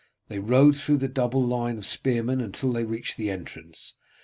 They rode through the double line of spearmen until they reached the entrance.